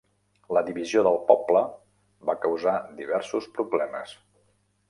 La divisió del poble va causar diversos problemes.